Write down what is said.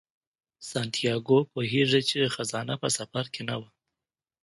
سانتیاګو پوهیږي چې خزانه په سفر کې نه وه.